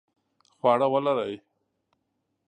خواړه ولړئ